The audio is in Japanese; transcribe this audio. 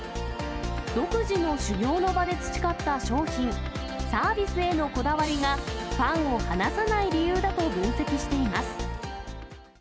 独自の修業の場で培った商品、サービスへのこだわりが、ファンを離さない理由だと分析しています。